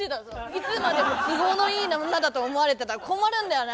いつまでも都合のいい女だと思われてたら困るんだよな。